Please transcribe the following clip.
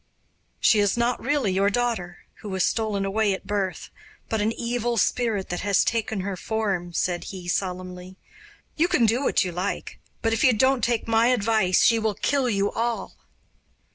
'She is not really your daughter, who was stolen away at her birth, but an evil spirit that has taken her form,' said he solemnly. 'You can do what you like, but if you don't take my advice she will kill you all.